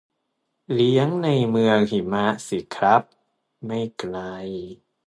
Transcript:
เลี้ยงในเมืองหิมะสิครับ ไม่ไกล